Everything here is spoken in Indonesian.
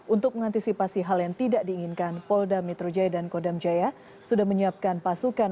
untuk mengantisipasi hal yang tidak diinginkan polda metro jaya dan kodam jaya sudah menyiapkan pasukan